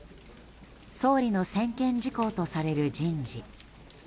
総理の専権事項とされる人事。